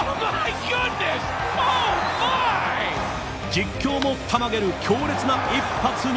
実況もたまげる強烈な一発に、